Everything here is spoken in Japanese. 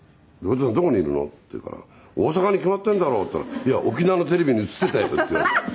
「どこにいるの？」って言うから「大阪に決まってんだろ」って言ったら「いや沖縄のテレビに映ってたよ」って言われて。